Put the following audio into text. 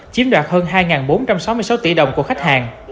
chiếm đoạt hơn hai bốn trăm sáu mươi sáu tỷ đồng của khách hàng